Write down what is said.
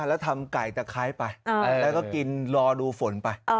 แล้วทำไก่จะคล้ายไปเอ่อแล้วก็กินรอดูฝนไปเอ่อ